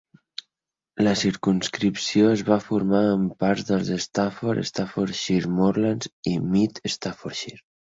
La circumscripció es va formar amb parts dels Stafford, Staffordshire Moorlands i Mid Staffordshire.